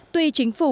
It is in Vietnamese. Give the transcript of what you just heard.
tuy chính phủ